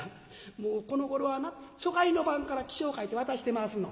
もうこのごろはな初会の晩から起請書いて渡してますの」。